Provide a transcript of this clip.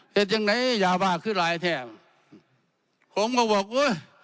เหตุอย่างไหนอย่าบ้าขึ้นหลายแท้ผมก็บอกอุ๊ย